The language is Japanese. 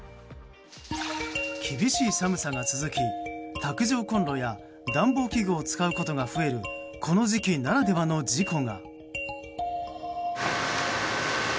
厳しい寒さが続き卓上コンロや暖房器具を使うことが増えるこの時期ならではの事故が。